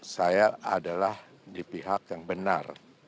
saya adalah di pihak yang benar